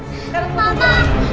sekarang kamu tunggu